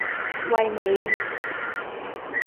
ไวเหมือนลิง